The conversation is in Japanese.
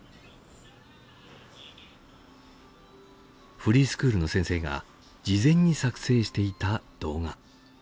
フリースクールの先生が事前に作成していた動画。